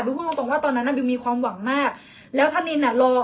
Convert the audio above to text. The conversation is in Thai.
พูดตรงตรงว่าตอนนั้นน่ะบิวมีความหวังมากแล้วถ้านินอ่ะรอ